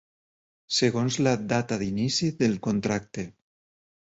Segons la data d'inici del contracte.